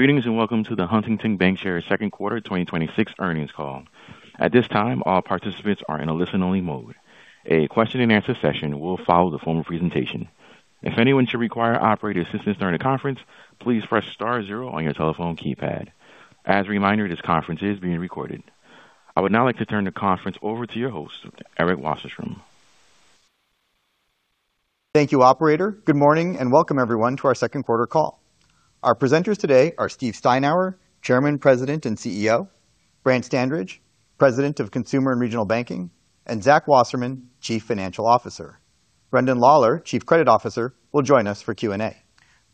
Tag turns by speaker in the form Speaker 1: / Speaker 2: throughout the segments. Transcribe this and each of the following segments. Speaker 1: Greetings, and welcome to the Huntington Bancshares second quarter 2026 earnings call. At this time, all participants are in a listen only mode. A question-and-answer session will follow the formal presentation. If anyone should require operator assistance during the conference, please press star zero on your telephone keypad. As a reminder, this conference is being recorded. I would now like to turn the conference over to your host, Eric Wasserstrom.
Speaker 2: Thank you, operator. Good morning, and welcome everyone to our second quarter call. Our presenters today are Steve Steinour, Chairman, President, and Chief Executive Officer, Brant Standridge, President of Consumer and Regional Banking, and Zach Wasserman, Chief Financial Officer. Brendan Lawlor, Chief Credit Officer, will join us for Q&A.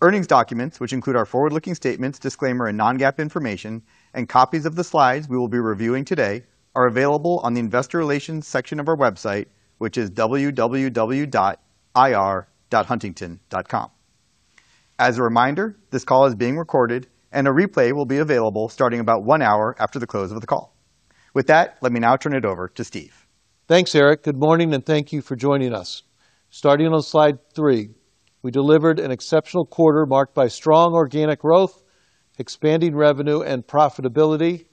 Speaker 2: Earnings documents, which include our forward-looking statements, disclaimer and Non-GAAP information, and copies of the slides we will be reviewing today, are available on the investor relations section of our website, which is www.ir.huntington.com. As a reminder, this call is being recorded, and a replay will be available starting about one hour after the close of the call. With that, let me now turn it over to Stephen.
Speaker 3: Thanks, Eric. Good morning, and thank you for joining us. Starting on slide three, we delivered an exceptional quarter marked by strong organic growth, expanding revenue and profitability,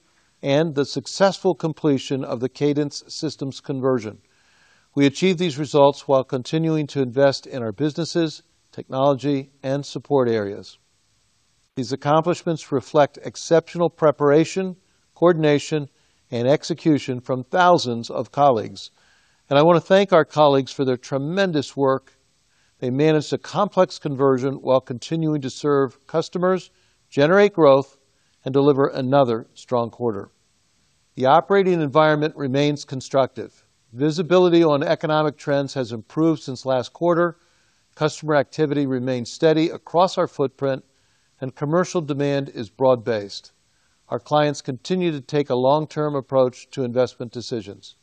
Speaker 3: and the successful completion of the Cadence systems conversion. We achieved these results while continuing to invest in our businesses, technology, and support areas. These accomplishments reflect exceptional preparation, coordination, and execution from thousands of colleagues, and I want to thank our colleagues for their tremendous work. They managed a complex conversion while continuing to serve customers, generate growth, and deliver another strong quarter. The operating environment remains constructive. Visibility on economic trends has improved since last quarter. Customer activity remains steady across our footprint, and commercial demand is broad based. Our clients continue to take a long-term approach to investment decisions.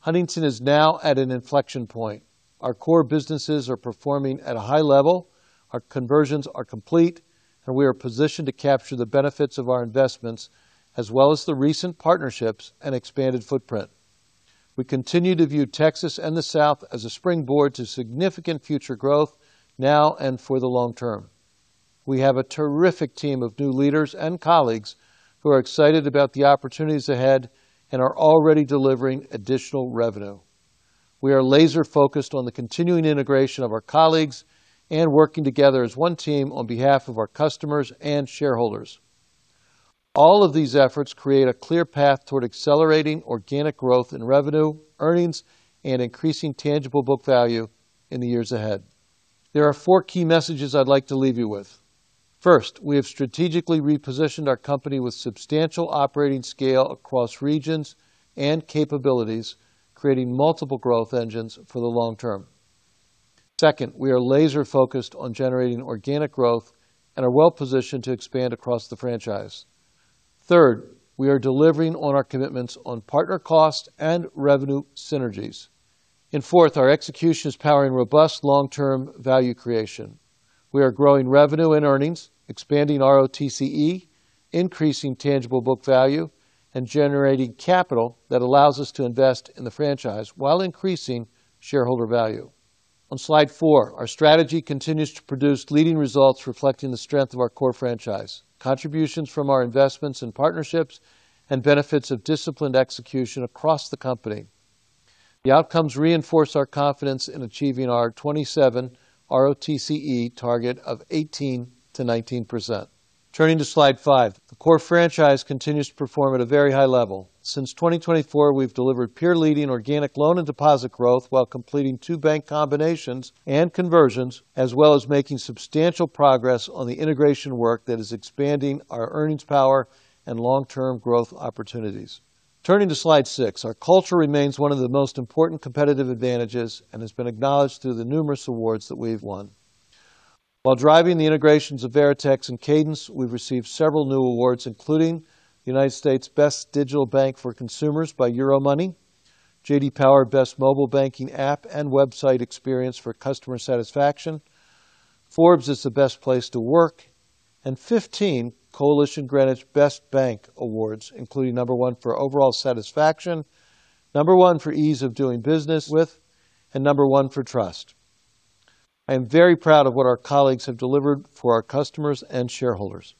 Speaker 3: Huntington is now at an inflection point. Our core businesses are performing at a high level, our conversions are complete, and we are positioned to capture the benefits of our investments, as well as the recent partnerships and expanded footprint. We continue to view Texas and the South as a springboard to significant future growth now and for the long term. We have a terrific team of new leaders and colleagues who are excited about the opportunities ahead and are already delivering additional revenue. We are laser focused on the continuing integration of our colleagues and working together as one team on behalf of our customers and shareholders. All of these efforts create a clear path toward accelerating organic growth in revenue, earnings, and increasing tangible book value in the years ahead. There are four key messages I'd like to leave you with. First, we have strategically repositioned our company with substantial operating scale across regions and capabilities, creating multiple growth engines for the long term. Second, we are laser focused on generating organic growth and are well-positioned to expand across the franchise. Third, we are delivering on our commitments on partner cost and revenue synergies. Fourth, our execution is powering robust long-term value creation. We are growing revenue and earnings, expanding ROTCE, increasing tangible book value, and generating capital that allows us to invest in the franchise while increasing shareholder value. On slide four, our strategy continues to produce leading results reflecting the strength of our core franchise, contributions from our investments and partnerships, and benefits of disciplined execution across the company. The outcomes reinforce our confidence in achieving our 2027 ROTCE target of 18%-19%. Turning to slide five. The core franchise continues to perform at a very high level. Since 2024, we've delivered peer-leading organic loan and deposit growth while completing two bank combinations and conversions, as well as making substantial progress on the integration work that is expanding our earnings power and long-term growth opportunities. Turning to slide six. Our culture remains one of the most important competitive advantages and has been acknowledged through the numerous awards that we've won. While driving the integrations of Veritex and Cadence, we've received several new awards, including United States Best Digital Bank for Consumers by Euromoney, J.D. Power Best Mobile Banking App and Website Experience for Customer Satisfaction, Forbes as the Best Place to Work, and 15 Coalition Greenwich Best Bank Awards, including number one for overall satisfaction, number one for ease of doing business with, and number one for trust. I am very proud of what our colleagues have delivered for our customers and shareholders.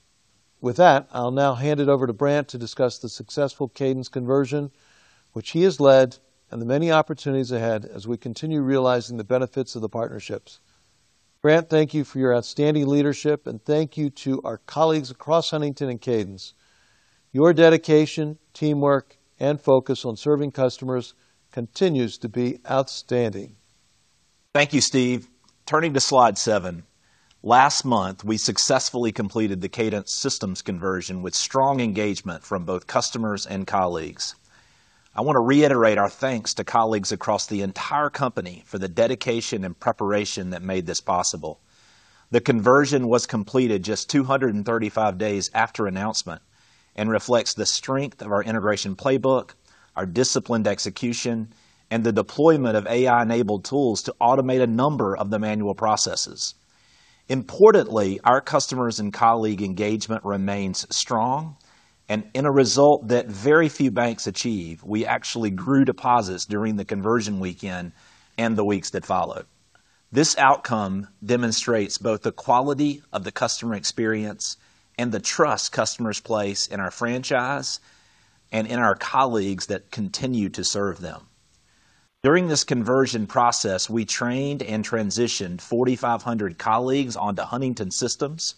Speaker 3: With that, I'll now hand it over to Brant to discuss the successful Cadence conversion, which he has led, and the many opportunities ahead as we continue realizing the benefits of the partnerships. Brant, thank you for your outstanding leadership, and thank you to our colleagues across Huntington and Cadence. Your dedication, teamwork, and focus on serving customers continues to be outstanding.
Speaker 4: Thank you, Steve. Turning to slide seven. Last month, we successfully completed the Cadence systems conversion with strong engagement from both customers and colleagues. I want to reiterate our thanks to colleagues across the entire company for the dedication and preparation that made this possible. The conversion was completed just 235 days after announcement and reflects the strength of our integration playbook, our disciplined execution, and the deployment of AI-enabled tools to automate a number of the manual processes. Importantly, our customers' and colleague engagement remains strong and, in a result that very few banks achieve, we actually grew deposits during the conversion weekend and the weeks that followed. This outcome demonstrates both the quality of the customer experience and the trust customers place in our franchise and in our colleagues that continue to serve them. During this conversion process, we trained and transitioned 4,500 colleagues onto Huntington systems.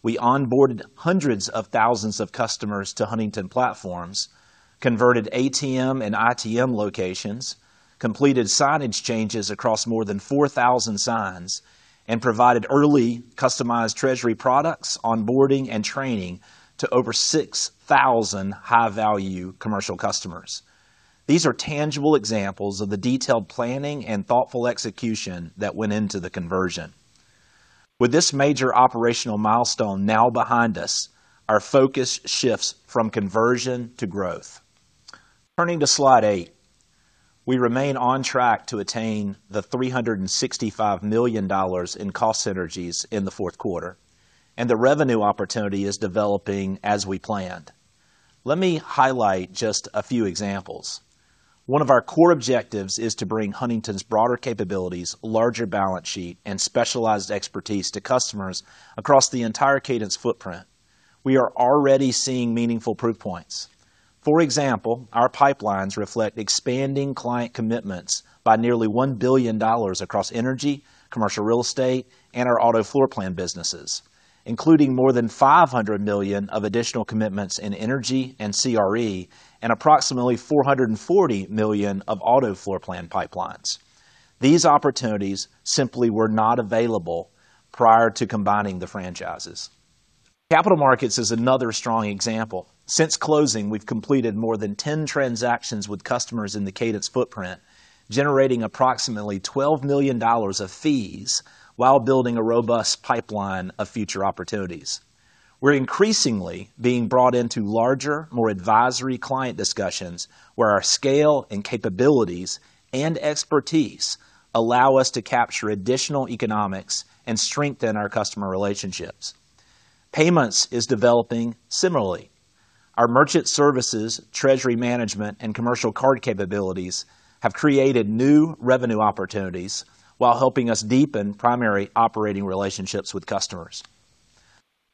Speaker 4: We onboarded hundreds of thousands of customers to Huntington platforms, converted ATM and ITM locations, completed signage changes across more than 4,000 signs, and provided early customized treasury products, onboarding, and training to over 6,000 high-value commercial customers. These are tangible examples of the detailed planning and thoughtful execution that went into the conversion. With this major operational milestone now behind us, our focus shifts from conversion to growth. Turning to slide eight. We remain on track to attain the $365 million in cost synergies in the fourth quarter, and the revenue opportunity is developing as we planned. Let me highlight just a few examples. One of our core objectives is to bring Huntington's broader capabilities, larger balance sheet, and specialized expertise to customers across the entire Cadence footprint. We are already seeing meaningful proof points. For example, our pipelines reflect expanding client commitments by nearly $1 billion across energy, commercial real estate, and our auto floorplan businesses, including more than $500 million of additional commitments in energy and CRE, and approximately $440 million of auto floorplan pipelines. These opportunities simply were not available prior to combining the franchises. Capital markets is another strong example. Since closing, we've completed more than 10 transactions with customers in the Cadence footprint, generating approximately $12 million of fees while building a robust pipeline of future opportunities. We're increasingly being brought into larger, more advisory client discussions, where our scale and capabilities and expertise allow us to capture additional economics and strengthen our customer relationships. Payments is developing similarly. Our merchant services, treasury management, and commercial card capabilities have created new revenue opportunities while helping us deepen primary operating relationships with customers.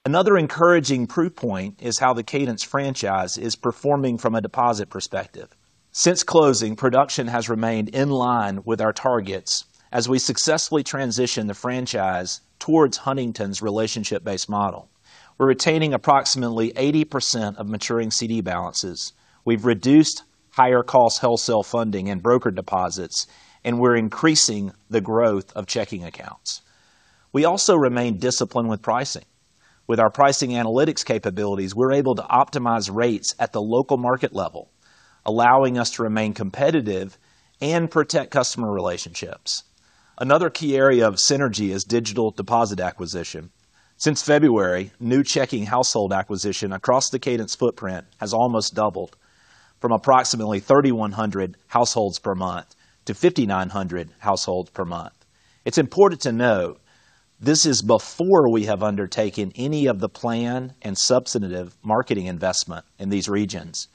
Speaker 4: Another encouraging proof point is how the Cadence franchise is performing from a deposit perspective. Since closing, production has remained in line with our targets as we successfully transition the franchise towards Huntington's relationship-based model. We're retaining approximately 80% of maturing CD balances. We've reduced higher cost wholesale funding and broker deposits, and we're increasing the growth of checking accounts. We also remain disciplined with pricing. With our pricing analytics capabilities, we're able to optimize rates at the local market level, allowing us to remain competitive and protect customer relationships. Another key area of synergy is digital deposit acquisition. Since February, new checking household acquisition across the Cadence footprint has almost doubled from approximately 3,100 households per month to 5,900 households per month. It's important to note this is before we have undertaken any of the planned and substantive marketing investment in these regions,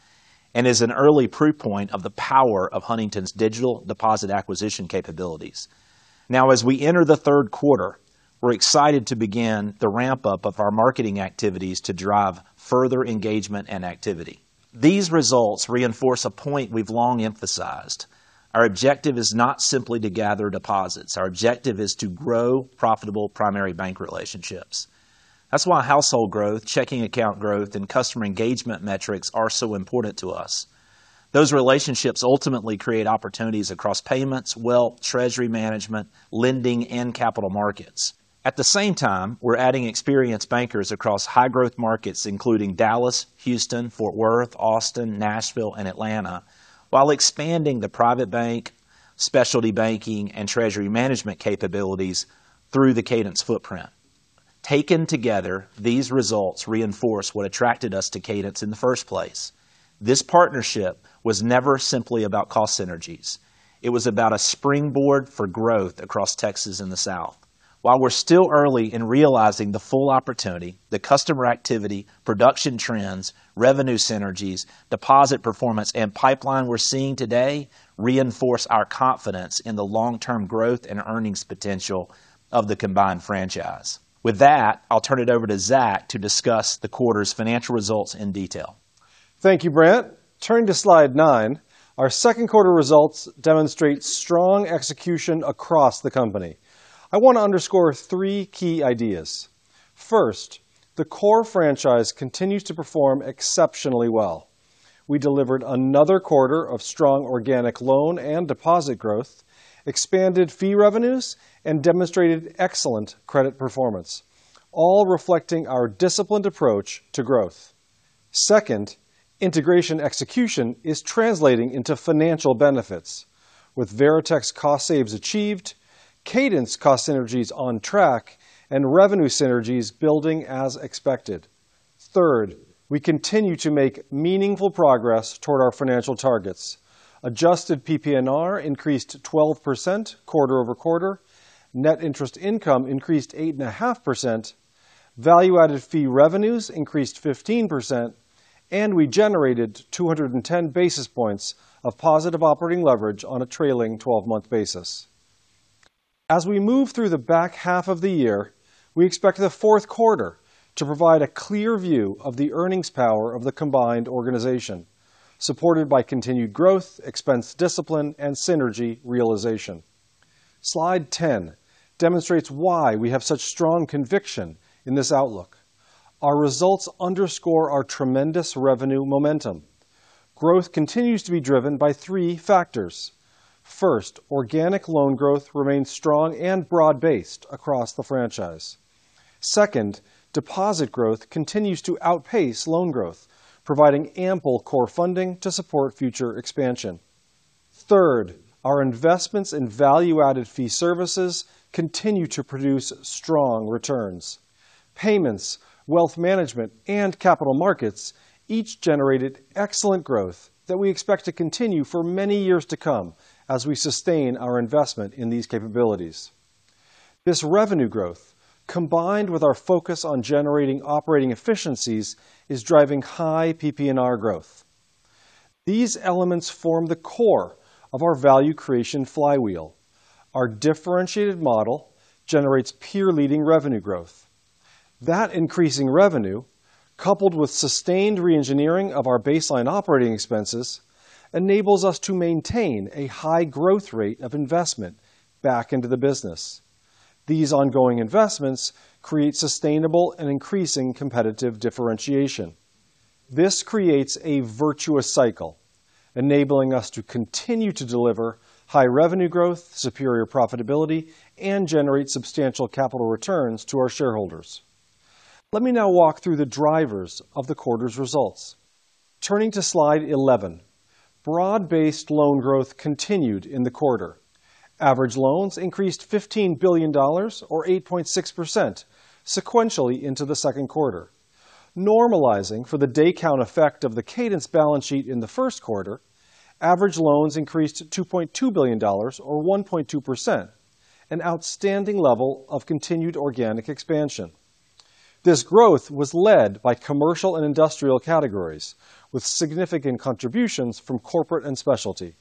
Speaker 4: and is an early proof point of the power of Huntington's digital deposit acquisition capabilities. Now as we enter the third quarter, we're excited to begin the ramp-up of our marketing activities to drive further engagement and activity. These results reinforce a point we've long emphasized. Our objective is not simply to gather deposits. Our objective is to grow profitable primary bank relationships. That's why household growth, checking account growth, and customer engagement metrics are so important to us. Those relationships ultimately create opportunities across payments, wealth, treasury management, lending, and capital markets. At the same time, we're adding experienced bankers across high growth markets including Dallas, Houston, Fort Worth, Austin, Nashville, and Atlanta, while expanding the private bank, specialty banking, and treasury management capabilities through the Cadence footprint. Taken together, these results reinforce what attracted us to Cadence in the first place. This partnership was never simply about cost synergies. It was about a springboard for growth across Texas and the South. While we're still early in realizing the full opportunity, the customer activity, production trends, revenue synergies, deposit performance, and pipeline we're seeing today reinforce our confidence in the long-term growth and earnings potential of the combined franchise. With that, I'll turn it over to Zach to discuss the quarter's financial results in detail.
Speaker 5: Thank you, Brant. Turning to slide nine. Our second quarter results demonstrate strong execution across the company. I want to underscore three key ideas. First, the core franchise continues to perform exceptionally well. We delivered another quarter of strong organic loan and deposit growth, expanded fee revenues, and demonstrated excellent credit performance, all reflecting our disciplined approach to growth. Second, integration execution is translating into financial benefits, with Veritex cost saves achieved, Cadence cost synergies on track, and revenue synergies building as expected. Third, we continue to make meaningful progress toward our financial targets. Adjusted PPNR increased 12% quarter-over-quarter. Net interest income increased 8.5%. Value added fee revenues increased 15%, and we generated 210 basis points of positive operating leverage on a trailing 12-month basis. As we move through the back half of the year, we expect the fourth quarter to provide a clear view of the earnings power of the combined organization, supported by continued growth, expense discipline, and synergy realization. Slide 10 demonstrates why we have such strong conviction in this outlook. Our results underscore our tremendous revenue momentum. Growth continues to be driven by three factors. First, organic loan growth remains strong and broad-based across the franchise. Second, deposit growth continues to outpace loan growth, providing ample core funding to support future expansion. Third, our investments in value-added fee services continue to produce strong returns. Payments, wealth management, and capital markets each generated excellent growth that we expect to continue for many years to come as we sustain our investment in these capabilities. This revenue growth, combined with our focus on generating operating efficiencies, is driving high PPNR growth. These elements form the core of our value creation flywheel. Our differentiated model generates peer-leading revenue growth. That increasing revenue, coupled with sustained reengineering of our baseline operating expenses, enables us to maintain a high growth rate of investment back into the business. These ongoing investments create sustainable and increasing competitive differentiation. This creates a virtuous cycle, enabling us to continue to deliver high revenue growth, superior profitability, and generate substantial capital returns to our shareholders. Let me now walk through the drivers of the quarter's results. Turning to slide 11. Broad-based loan growth continued in the quarter. Average loans increased $15 billion, or 8.6%, sequentially into the second quarter. Normalizing for the day count effect of the Cadence balance sheet in the first quarter, average loans increased to $2.2 billion or 1.2%, an outstanding level of continued organic expansion. This growth was led by commercial and industrial categories, with significant contributions from corporate and specialty.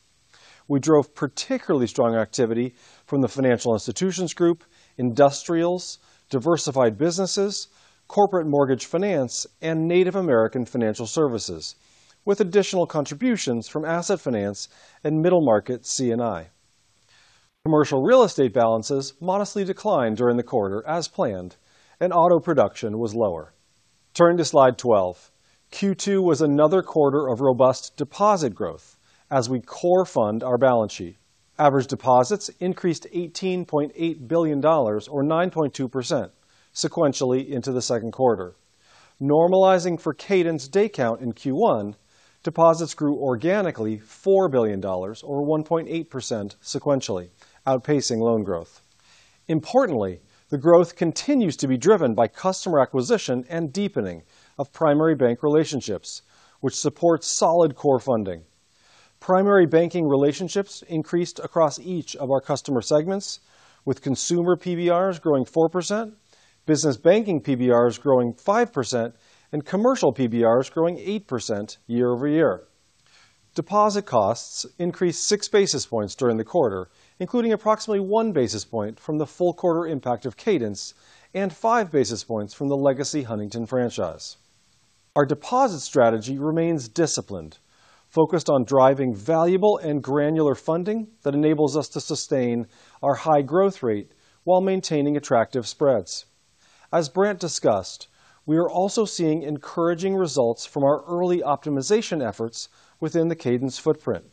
Speaker 5: We drove particularly strong activity from the financial institutions group, industrials, diversified businesses, corporate mortgage finance, and Native American financial services, with additional contributions from asset finance and middle-market C&I. Commercial real estate balances modestly declined during the quarter as planned, and auto production was lower. Turning to slide 12. Q2 was another quarter of robust deposit growth as we core fund our balance sheet. Average deposits increased $18.8 billion or 9.2% sequentially into the second quarter. Normalizing for Cadence day count in Q1, deposits grew organically $4 billion or 1.8% sequentially, outpacing loan growth. Importantly, the growth continues to be driven by customer acquisition and deepening of primary bank relationships, which supports solid core funding. Primary banking relationships increased across each of our customer segments, with consumer PBRs growing 4%, business banking PBRs growing 5%, and commercial PBRs growing 8% year-over-year. Deposit costs increased six basis points during the quarter, including approximately one basis point from the full quarter impact of Cadence and five basis points from the legacy Huntington franchise. Our deposit strategy remains disciplined, focused on driving valuable and granular funding that enables us to sustain our high growth rate while maintaining attractive spreads. As Brant discussed, we are also seeing encouraging results from our early optimization efforts within the Cadence footprint,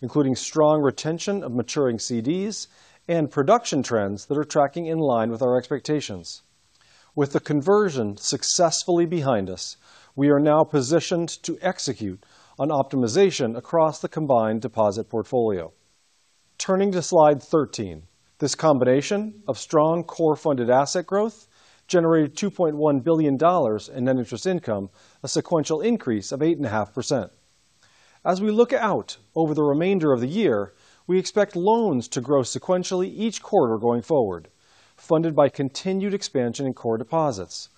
Speaker 5: including strong retention of maturing CDs and production trends that are tracking in line with our expectations. With the conversion successfully behind us, we are now positioned to execute on optimization across the combined deposit portfolio. Turning to slide 13. This combination of strong core funded asset growth generated $2.1 billion in net interest income, a sequential increase of 8.5%. As we look out over the remainder of the year, we expect loans to grow sequentially each quarter going forward, funded by continued expansion in core deposits.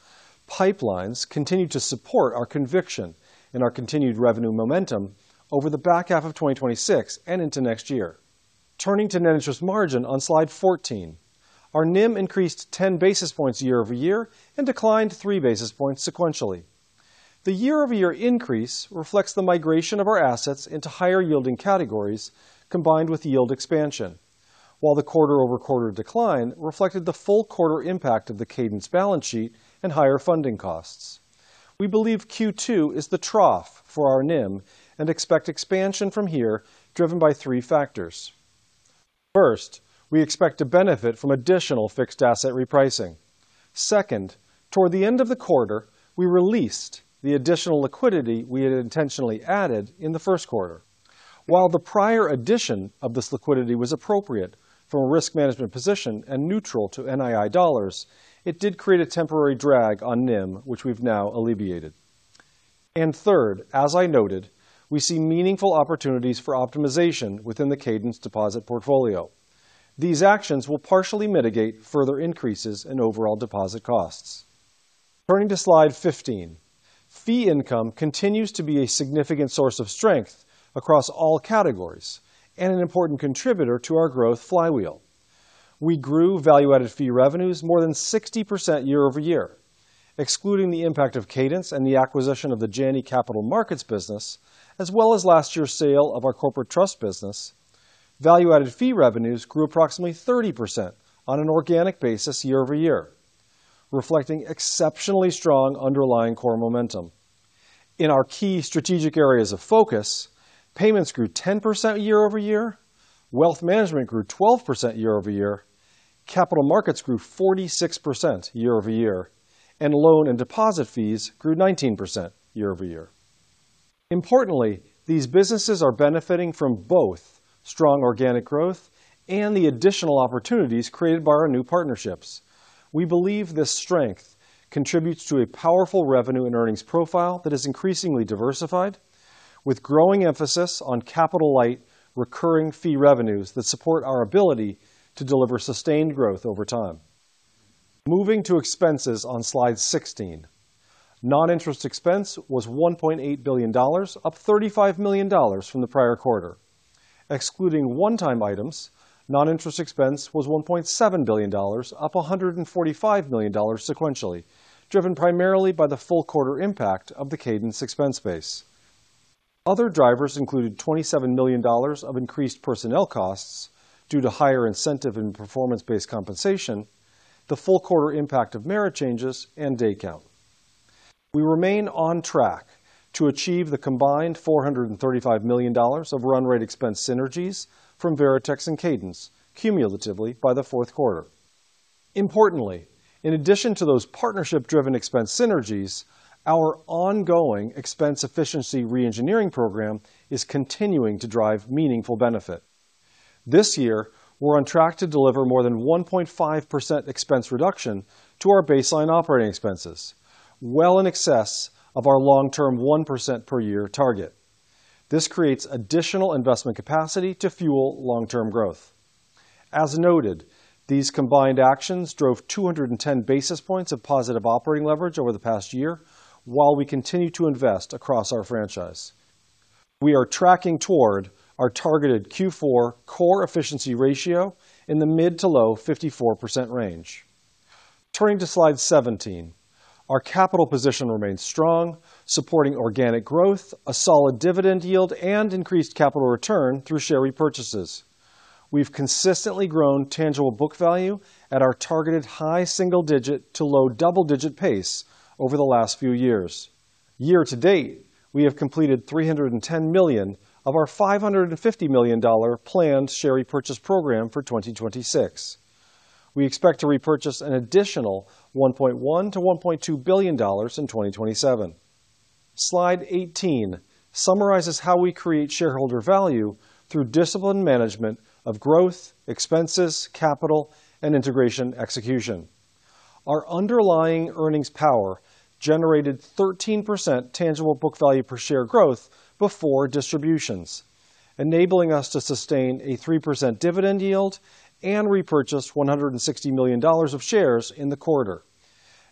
Speaker 5: Pipelines continue to support our conviction and our continued revenue momentum over the back half of 2026 and into next year. Turning to net interest margin on slide 14. Our NIM increased 10 basis points year-over-year and declined three basis points sequentially. The year-over-year increase reflects the migration of our assets into higher yielding categories combined with yield expansion. While the quarter-over-quarter decline reflected the full quarter impact of the Cadence balance sheet and higher funding costs. We believe Q2 is the trough for our NIM and expect expansion from here driven by three factors. First, we expect to benefit from additional fixed asset repricing. Second, toward the end of the quarter, we released the additional liquidity we had intentionally added in the first quarter. While the prior addition of this liquidity was appropriate from a risk management position and neutral to NII dollars, it did create a temporary drag on NIM, which we've now alleviated. And third, as I noted, we see meaningful opportunities for optimization within the Cadence deposit portfolio. These actions will partially mitigate further increases in overall deposit costs. Turning to slide 15. Fee income continues to be a significant source of strength across all categories and an important contributor to our growth flywheel. We grew value-added fee revenues more than 60% year-over-year. Excluding the impact of Cadence and the acquisition of the Janney Capital Markets business, as well as last year's sale of our corporate trust business, value-added fee revenues grew approximately 30% on an organic basis year-over-year, reflecting exceptionally strong underlying core momentum. In our key strategic areas of focus, payments grew 10% year-over-year, wealth management grew 12% year-over-year, capital markets grew 46% year-over-year, and loan and deposit fees grew 19% year-over-year. Importantly, these businesses are benefiting from both strong organic growth and the additional opportunities created by our new partnerships. We believe this strength contributes to a powerful revenue and earnings profile that is increasingly diversified, with growing emphasis on capital-light recurring fee revenues that support our ability to deliver sustained growth over time. Moving to expenses on slide 16. Non-interest expense was $1.8 billion, up $35 million from the prior quarter. Excluding one-time items, non-interest expense was $1.7 billion, up $145 million sequentially, driven primarily by the full quarter impact of the Cadence expense base. Other drivers included $27 million of increased personnel costs due to higher incentive and performance-based compensation, the full quarter impact of merit changes, and day count. We remain on track to achieve the combined $435 million of run rate expense synergies from Veritex and Cadence cumulatively by the fourth quarter. Importantly, in addition to those partnership-driven expense synergies, our ongoing expense efficiency reengineering program is continuing to drive meaningful benefit. This year, we're on track to deliver more than 1.5% expense reduction to our baseline operating expenses, well in excess of our long-term 1% per year target. This creates additional investment capacity to fuel long-term growth. As noted, these combined actions drove 210 basis points of positive operating leverage over the past year, while we continue to invest across our franchise. We are tracking toward our targeted Q4 core efficiency ratio in the mid to low 54% range. Turning to slide 17. Our capital position remains strong, supporting organic growth, a solid dividend yield, and increased capital return through share repurchases. We've consistently grown tangible book value at our targeted high single digit to low double digit pace over the last few years. Year-to-date, we have completed $310 million of our $550 million planned share repurchase program for 2026. We expect to repurchase an additional $1.1 billion-$1.2 billion in 2027. Slide 18 summarizes how we create shareholder value through disciplined management of growth, expenses, capital, and integration execution. Our underlying earnings power generated 13% tangible book value per share growth before distributions, enabling us to sustain a 3% dividend yield and repurchase $160 million of shares in the quarter.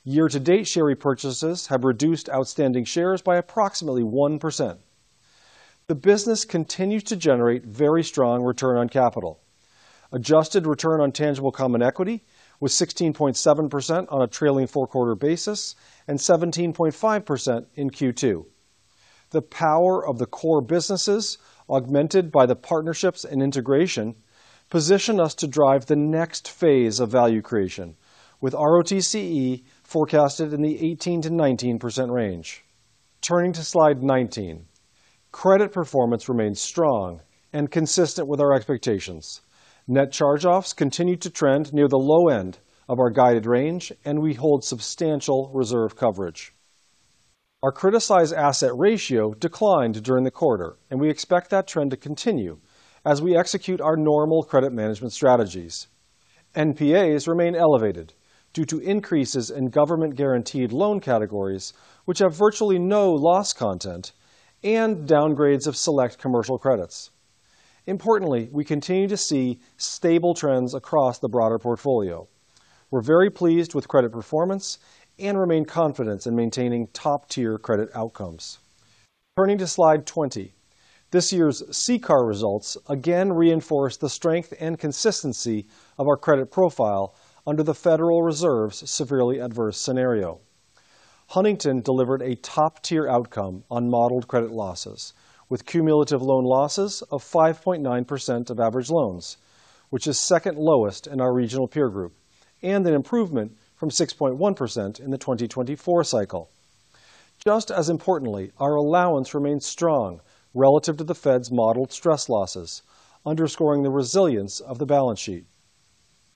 Speaker 5: Year-to-date, share repurchases have reduced outstanding shares by approximately 1%. The business continues to generate very strong return on capital. Adjusted return on tangible common equity was 16.7% on a trailing four-quarter basis and 17.5% in Q2. The power of the core businesses, augmented by the partnerships and integration, position us to drive the next phase of value creation, with ROTCE forecasted in the 18%-19% range. Turning to slide 19. Credit performance remains strong and consistent with our expectations. Net charge-offs continue to trend near the low end of our guided range, and we hold substantial reserve coverage. Our criticized asset ratio declined during the quarter. We expect that trend to continue as we execute our normal credit management strategies. NPAs remain elevated due to increases in government guaranteed loan categories, which have virtually no loss content, and downgrades of select commercial credits. Importantly, we continue to see stable trends across the broader portfolio. We're very pleased with credit performance and remain confident in maintaining top-tier credit outcomes. Turning to slide 20. This year's CCAR results again reinforce the strength and consistency of our credit profile under the Federal Reserve's severely adverse scenario. Huntington delivered a top-tier outcome on modeled credit losses with cumulative loan losses of 5.9% of average loans, which is second lowest in our regional peer group and an improvement from 6.1% in the 2024 cycle. Just as importantly, our allowance remains strong relative to the Fed's modeled stress losses, underscoring the resilience of the balance sheet.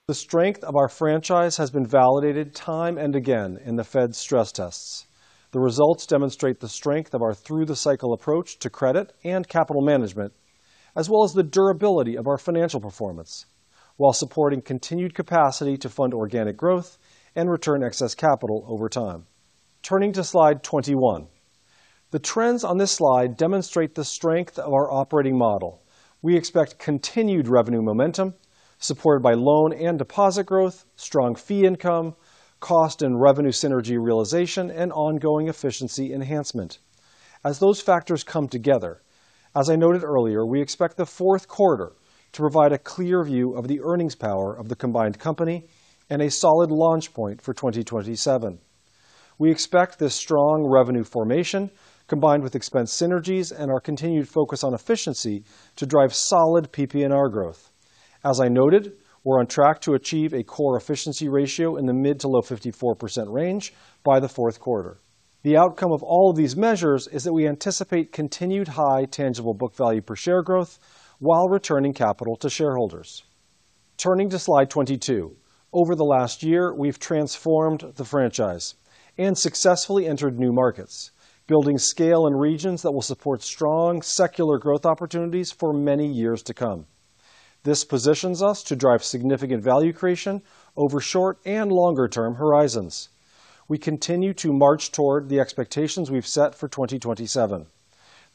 Speaker 5: The strength of our franchise has been validated time and again in the Fed's stress tests. The results demonstrate the strength of our through-the-cycle approach to credit and capital management, as well as the durability of our financial performance, while supporting continued capacity to fund organic growth and return excess capital over time. Turning to slide 21. The trends on this slide demonstrate the strength of our operating model. We expect continued revenue momentum supported by loan and deposit growth, strong fee income, cost and revenue synergy realization, and ongoing efficiency enhancement. As those factors come together, as I noted earlier, we expect the fourth quarter to provide a clear view of the earnings power of the combined company and a solid launch point for 2027. We expect this strong revenue formation, combined with expense synergies and our continued focus on efficiency to drive solid PPNR growth. As I noted, we're on track to achieve a core efficiency ratio in the mid to low 54% range by the fourth quarter. The outcome of all of these measures is that we anticipate continued high tangible book value per share growth while returning capital to shareholders. Turning to slide 22. Over the last year, we've transformed the franchise and successfully entered new markets, building scale in regions that will support strong secular growth opportunities for many years to come. This positions us to drive significant value creation over short and longer-term horizons. We continue to march toward the expectations we've set for 2027.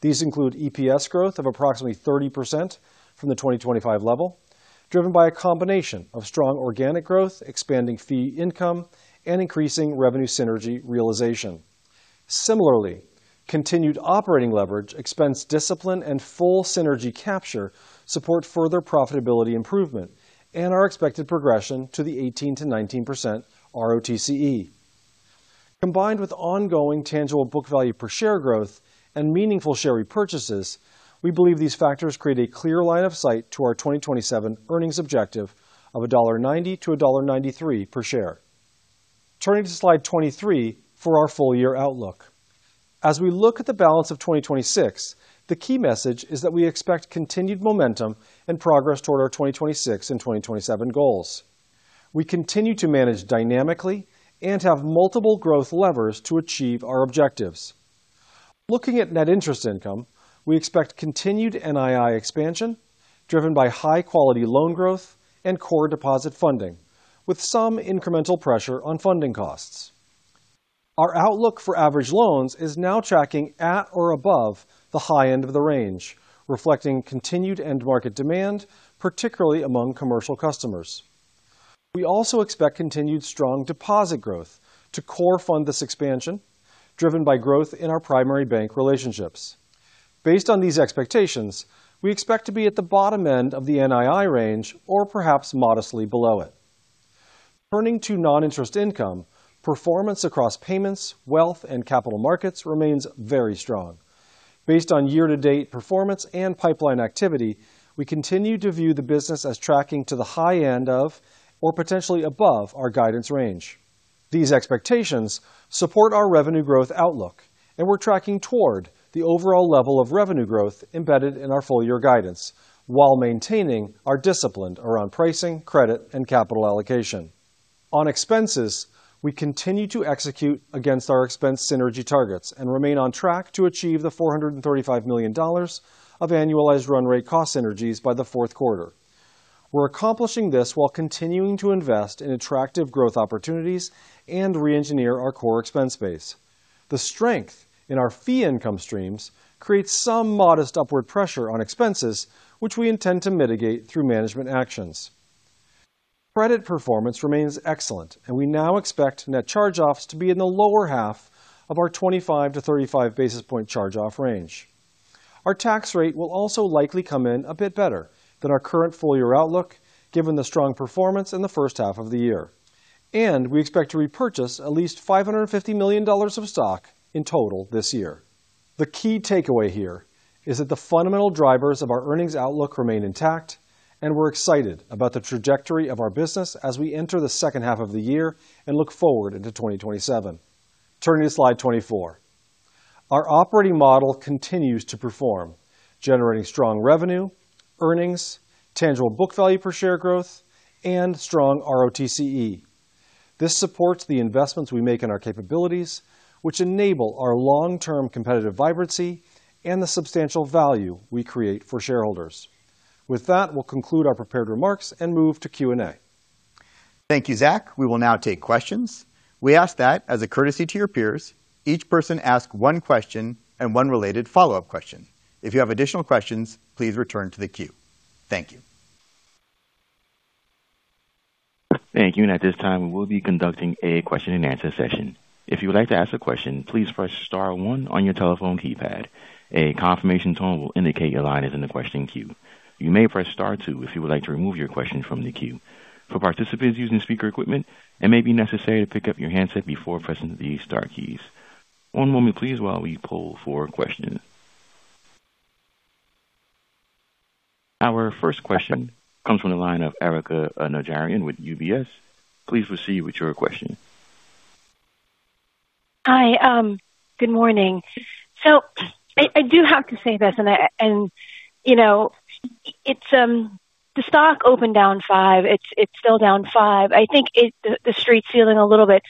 Speaker 5: These include EPS growth of approximately 30% from the 2025 level, driven by a combination of strong organic growth, expanding fee income, and increasing revenue synergy realization. Similarly, continued operating leverage, expense discipline, and full synergy capture support further profitability improvement and our expected progression to the 18%-19% ROTCE. Combined with ongoing tangible book value per share growth and meaningful share repurchases, we believe these factors create a clear line of sight to our 2027 earnings objective of $1.90-$1.93 per share. Turning to slide 23 for our full-year outlook. As we look at the balance of 2026, the key message is that we expect continued momentum and progress toward our 2026 and 2027 goals. We continue to manage dynamically and have multiple growth levers to achieve our objectives. Looking at net interest income, we expect continued NII expansion driven by high-quality loan growth and core deposit funding, with some incremental pressure on funding costs. Our outlook for average loans is now tracking at or above the high end of the range, reflecting continued end market demand, particularly among commercial customers. We also expect continued strong deposit growth to core fund this expansion, driven by growth in our primary bank relationships. Based on these expectations, we expect to be at the bottom end of the NII range or perhaps modestly below it. Turning to non-interest income, performance across payments, wealth, and capital markets remains very strong. Based on year-to-date performance and pipeline activity, we continue to view the business as tracking to the high end of or potentially above our guidance range. These expectations support our revenue growth outlook, and we're tracking toward the overall level of revenue growth embedded in our full-year guidance while maintaining our discipline around pricing, credit, and capital allocation. On expenses, we continue to execute against our expense synergy targets and remain on track to achieve the $435 million of annualized run rate cost synergies by the fourth quarter. We're accomplishing this while continuing to invest in attractive growth opportunities and re-engineer our core expense base. The strength in our fee income streams creates some modest upward pressure on expenses, which we intend to mitigate through management actions. Credit performance remains excellent, and we now expect net charge-offs to be in the lower half of our 25 basis points-35 basis point charge-off range. Our tax rate will also likely come in a bit better than our current full-year outlook, given the strong performance in the first half of the year. We expect to repurchase at least $550 million of stock in total this year. The key takeaway here is that the fundamental drivers of our earnings outlook remain intact, and we're excited about the trajectory of our business as we enter the second half of the year and look forward into 2027. Turning to slide 24. Our operating model continues to perform, generating strong revenue, earnings, tangible book value per share growth, and strong ROTCE. This supports the investments we make in our capabilities, which enable our long-term competitive vibrancy and the substantial value we create for shareholders. With that, we'll conclude our prepared remarks and move to Q&A.
Speaker 2: Thank you, Zach. We will now take questions. We ask that, as a courtesy to your peers, each person ask one question and one related follow-up question. If you have additional questions, please return to the queue. Thank you.
Speaker 1: Thank you. At this time, we will be conducting a question-and-answer session. If you would like to ask a question, please press star one on your telephone keypad. A confirmation tone will indicate your line is in the question queue. You may press star two if you would like to remove your question from the queue. For participants using speaker equipment, it may be necessary to pick up your handset before pressing the star keys. One moment please while we poll for questions. Our first question comes from the line of Erika Najarian with UBS. Please proceed with your question.
Speaker 6: Hi. Good morning. I do have to say this, the stock opened down five. It's still down five. I think the street's feeling a little bit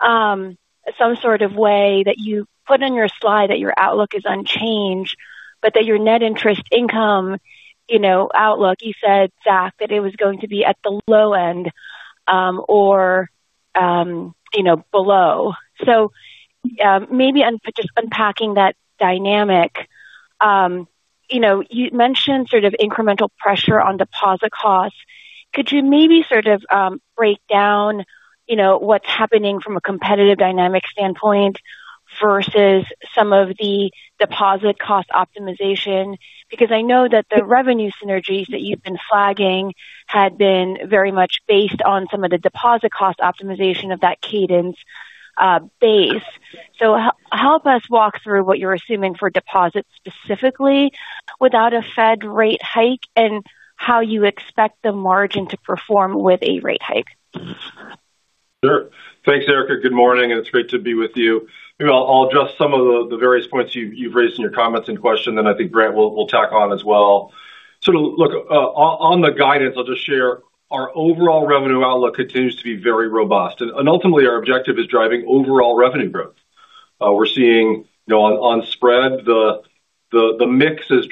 Speaker 6: Some sort of way that you put in your slide that your outlook is unchanged, but that your net interest income outlook, you said, Zach, that it was going to be at the low end or below. Maybe just unpacking that dynamic. You mentioned incremental pressure on deposit costs. Could you maybe break down what's happening from a competitive dynamic standpoint versus some of the deposit cost optimization? Because I know that the revenue synergies that you've been flagging had been very much based on some of the deposit cost optimization of that Cadence base. Help us walk through what you're assuming for deposits specifically without a Fed rate hike and how you expect the margin to perform with a rate hike.
Speaker 5: Sure. Thanks, Erika. Good morning, it's great to be with you. Maybe I'll address some of the various points you've raised in your comments and question, then I think Brant will tack on as well. Look, on the guidance, I'll just share our overall revenue outlook continues to be very robust. Ultimately our objective is driving overall revenue growth. We're seeing on spread, the mix is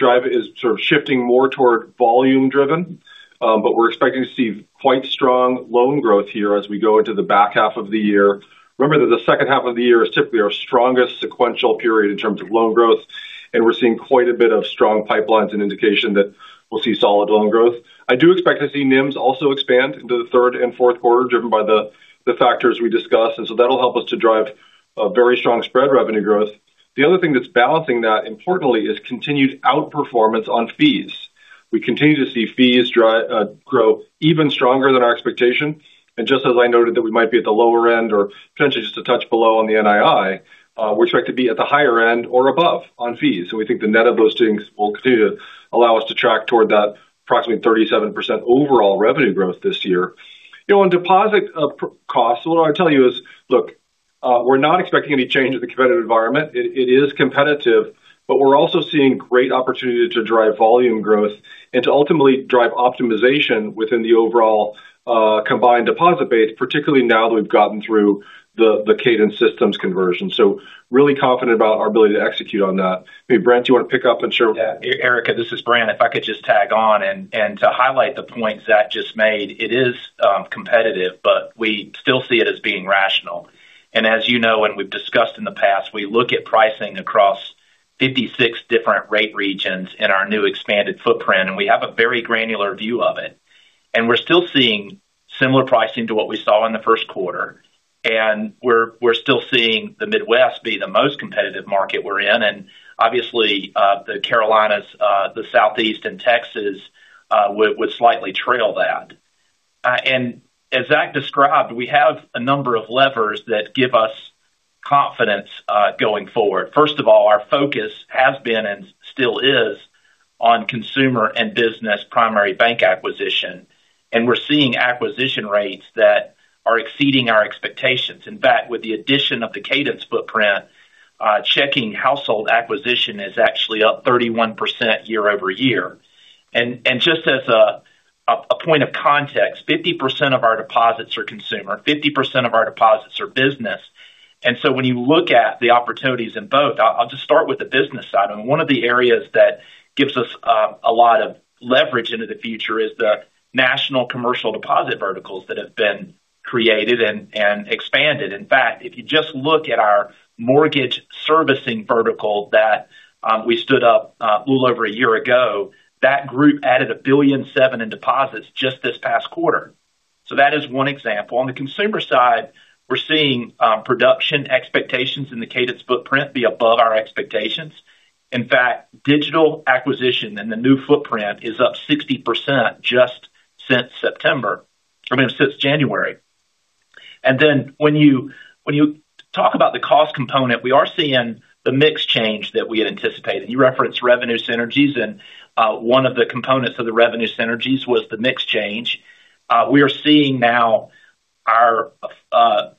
Speaker 5: sort of shifting more toward volume driven. We're expecting to see quite strong loan growth here as we go into the back half of the year. Remember that the second half of the year is typically our strongest sequential period in terms of loan growth, we're seeing quite a bit of strong pipelines and indication that we'll see solid loan growth. I do expect to see NIMs also expand into the third and fourth quarter, driven by the factors we discussed. That'll help us to drive a very strong spread revenue growth. The other thing that's balancing that, importantly, is continued outperformance on fees. We continue to see fees grow even stronger than our expectation. Just as I noted that we might be at the lower end or potentially just a touch below on the NII, we expect to be at the higher end or above on fees. We think the net of those things will continue to allow us to track toward that approximately 37% overall revenue growth this year. On deposit cost, what I'll tell you is, look, we're not expecting any change in the competitive environment. It is competitive, but we're also seeing great opportunity to drive volume growth and to ultimately drive optimization within the overall combined deposit base, particularly now that we've gotten through the Cadence systems conversion. Really confident about our ability to execute on that. Maybe Brant, you want to pick up and share?
Speaker 4: Yeah. Erika, this is Brant. If I could just tag on and to highlight the point Zach just made, it is competitive, but we still see it as being rational. As you know and we've discussed in the past, we look at pricing across 56 different rate regions in our new expanded footprint, and we have a very granular view of it. We're still seeing similar pricing to what we saw in the first quarter. We're still seeing the Midwest be the most competitive market we're in. Obviously, the Carolinas, the Southeast, and Texas would slightly trail that. As Zach described, we have a number of levers that give us confidence going forward. First of all, our focus has been and still is on consumer and business primary bank acquisition. We're seeing acquisition rates that are exceeding our expectations. In fact, with the addition of the Cadence footprint, checking household acquisition is actually up 31% year-over-year. Just as a point of context, 50% of our deposits are consumer, 50% of our deposits are business. When you look at the opportunities in both, I'll just start with the business side. One of the areas that gives us a lot of leverage into the future is the national commercial deposit verticals that have been created and expanded. In fact, if you just look at our mortgage servicing vertical that we stood up a little over a year ago, that group added $1.7 billion in deposits just this past quarter. That is one example. On the consumer side, we're seeing production expectations in the Cadence footprint be above our expectations. In fact, digital acquisition in the new footprint is up 60% just since September, I mean, since January. When you talk about the cost component, we are seeing the mix change that we had anticipated. You referenced revenue synergies, one of the components of the revenue synergies was the mix change. We are seeing now our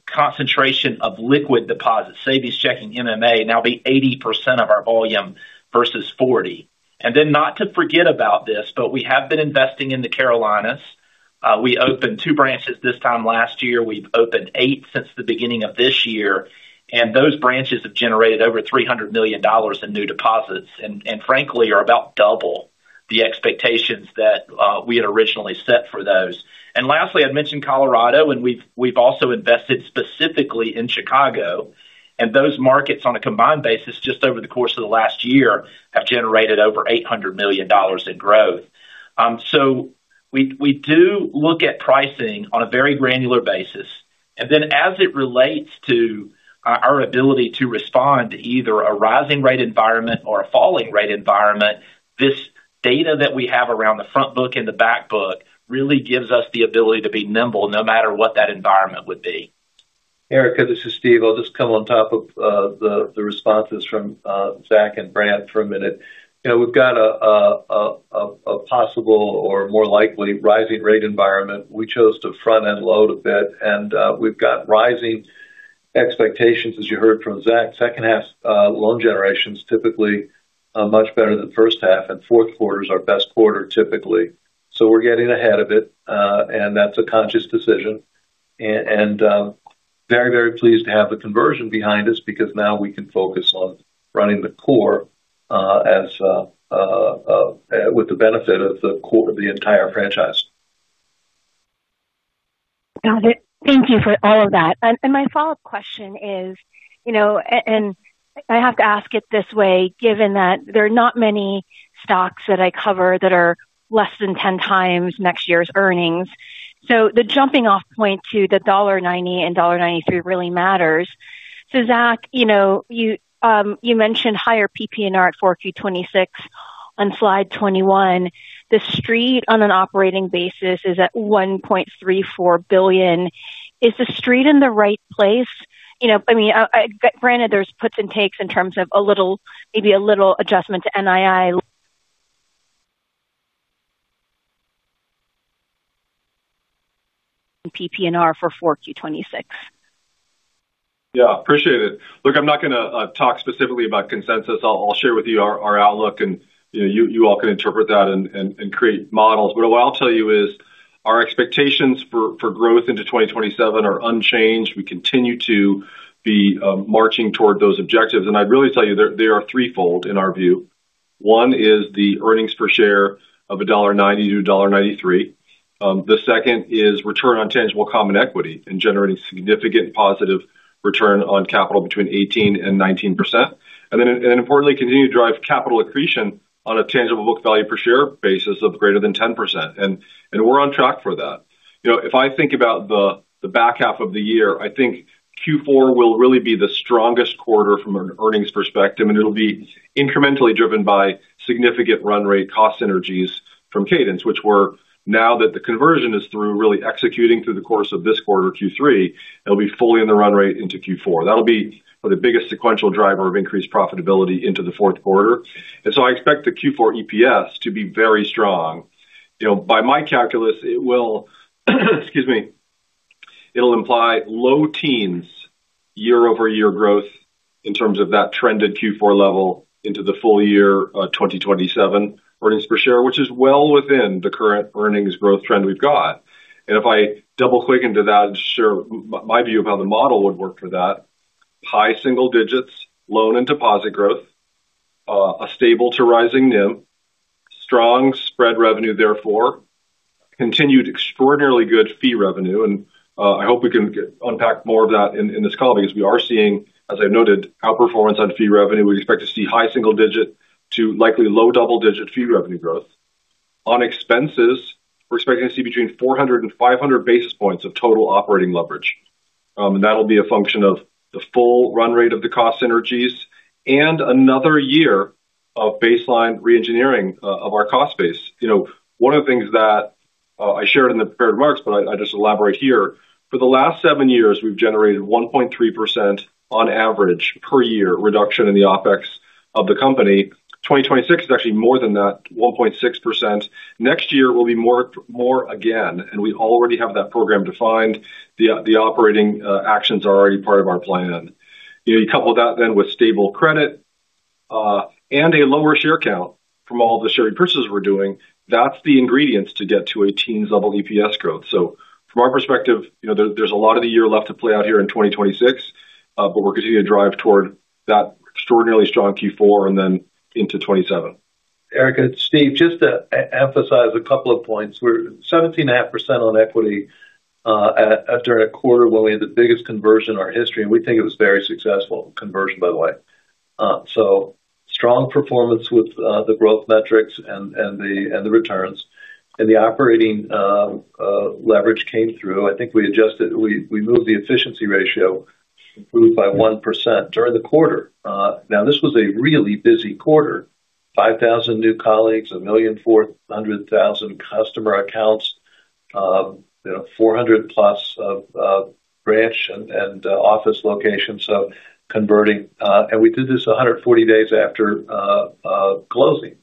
Speaker 4: concentration of liquid deposits, savings, checking, MMA, now be 80% of our volume versus 40%. Not to forget about this, but we have been investing in the Carolinas. We opened two branches this time last year. We've opened eight since the beginning of this year. Those branches have generated over $300 million in new deposits. Frankly, are about double the expectations that we had originally set for those. Lastly, I'd mentioned Colorado, we've also invested specifically in Chicago. Those markets, on a combined basis, just over the course of the last year, have generated over $800 million in growth. We do look at pricing on a very granular basis. As it relates to our ability to respond to either a rising rate environment or a falling rate environment, this data that we have around the front book and the back book really gives us the ability to be nimble no matter what that environment would be.
Speaker 3: Erika, this is Steve. I'll just come on top of the responses from Zach and Brant for a minute. We've got a possible or more likely rising rate environment. We chose to front-end load a bit, we've got rising expectations, as you heard from Zach. Second half loan generation's typically much better than first half. Fourth quarter is our best quarter typically. We're getting ahead of it, and that's a conscious decision. Very pleased to have the conversion behind us because now we can focus on running the core with the benefit of the core of the entire franchise.
Speaker 6: Got it. Thank you for all of that. My follow-up question is, I have to ask it this way, given that there are not many stocks that I cover that are less than 10x next year's earnings. The jumping off point to the $1.90-$1.93 really matters. Zach, you mentioned higher PPNR at 4Q26 on slide 21. The Street on an operating basis is at $1.34 billion. Is the Street in the right place? Granted, there's puts and takes in terms of maybe a little adjustment to NII. PPNR for 4Q26.
Speaker 5: Yeah, appreciate it. Look, I'm not going to talk specifically about consensus. I'll share with you our outlook and you all can interpret that and create models. What I'll tell you is our expectations for growth into 2027 are unchanged. We continue to be marching toward those objectives. I'd really tell you they are threefold in our view. One is the earnings per share of a $1.90-$1.93. The second is return on tangible common equity and generating significant positive return on capital between 18%-19%. Importantly, continue to drive capital accretion on a tangible book value per share basis of greater than 10%. We're on track for that. If I think about the back half of the year, I think Q4 will really be the strongest quarter from an earnings perspective, and it'll be incrementally driven by significant run rate cost synergies from Cadence, which we're now that the conversion is through really executing through the course of this quarter, Q3, it'll be fully in the run rate into Q4. That'll be the biggest sequential driver of increased profitability into the fourth quarter. I expect the Q4 EPS to be very strong. By my calculus, it'll imply low teens year-over-year growth in terms of that trended Q4 level into the full year 2027 earnings per share, which is well within the current earnings growth trend we've got. If I double-click into that and share my view of how the model would work for that. High single digits loan and deposit growth. A stable to rising NIM. Strong spread revenue, therefore. Continued extraordinarily good fee revenue. I hope we can unpack more of that in this call because we are seeing, as I've noted, outperformance on fee revenue. We expect to see high single digit to likely low double-digit fee revenue growth. On expenses, we're expecting to see between 400 basis points-500 basis points of total operating leverage. That'll be a function of the full run rate of the cost synergies and another year of baseline re-engineering of our cost base. One of the things that I shared in the prepared remarks, but I just elaborate here. For the last seven years, we've generated 1.3% on average per year reduction in the OPEX of the company. 2026 is actually more than that, 1.6%. Next year will be more again, we already have that program defined. The operating actions are already part of our plan. You couple that with stable credit and a lower share count from all the share purchases we're doing. That's the ingredients to get to a teens level EPS growth. From our perspective, there's a lot of the year left to play out here in 2026. We're continuing to drive toward that extraordinarily strong Q4 and then into 2027.
Speaker 3: Erika, it's Stephen. Just to emphasize a couple of points. We're 17.5% on equity after a quarter where we had the biggest conversion in our history, and we think it was a very successful conversion, by the way. Strong performance with the growth metrics and the returns. The operating leverage came through. I think we moved the efficiency ratio, improved by 1% during the quarter. This was a really busy quarter, 5,000 new colleagues, 1,400,000 customer accounts, 400+ branch and office locations converting. We did this 140 days after closing.